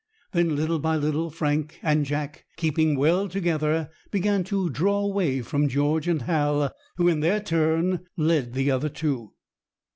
Then, little by little, Frank and Jack, keeping well together, began to draw away from George and Hal, who in their turn led the other two.